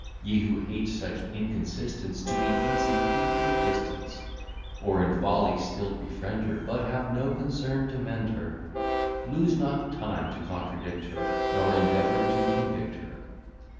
Ye who hate such inconsistence, To be easy, keep your distance: Or in folly still befriend her, But have no concern to mend her; Lose not time to contradict her, Nor endeavour to convict her.